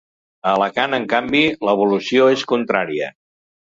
A Alacant, en canvi, l’evolució és contrària.